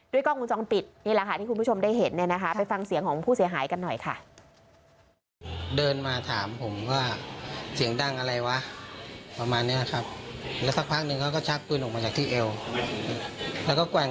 ด้วยกล้องกุญจองปิดนี่แหละค่ะที่คุณผู้ชมได้เห็นเนี่ยนะคะ